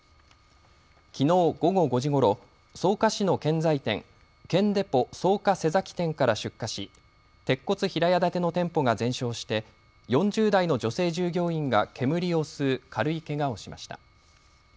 きのう午後５時ごろ、草加市の建材店、建デポ草加瀬崎店から出火し鉄骨平屋建ての店舗が全焼して４０代の女性従業員が煙を吸う軽いけがをしました。